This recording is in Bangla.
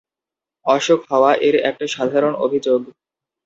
অসুখ হওয়া এর একটা সাধারণ অভিযোগ।